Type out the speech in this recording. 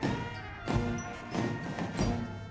dengan desa direktur negara medan